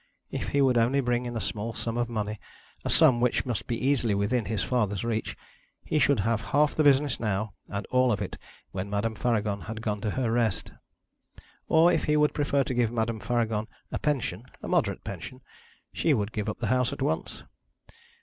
If he would only bring in a small sum of money a sum which must be easily within his father's reach he should have half the business now, and all of it when Madame Faragon had gone to her rest. Or if he would prefer to give Madame Faragon a pension a moderate pension she would give up the house at once.